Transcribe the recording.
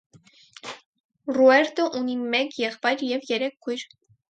Ռուերտը ունի մեկ եղբայր և երեք քույր։